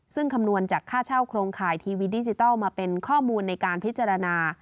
ซึ่งคำนวณจากค่าเช่าโครงข่ายทีวีดิจิทัลมาเป็นข้อมูลในการพิจารณา